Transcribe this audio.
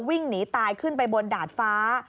วิ่งหนีตายขึ้นไปบนดาดฟ้า